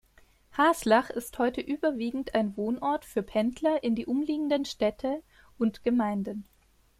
Haslach ist heute überwiegend ein Wohnort für Pendler in die umliegenden Städte und Gemeinden.